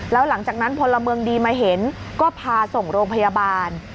แล้วหลังจากนั้นพลเมืองดีมาเห็นก็พาส่งโรงพยาบาล